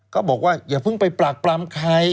ก็บอกว่าอย่าเพิ่งไปปรากปรำใคร